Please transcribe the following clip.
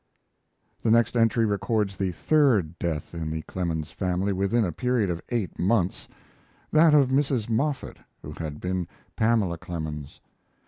The next entry records the third death in the Clemens family within a period of eight months that of Mrs. Moffett, who had been Pamela Clemens.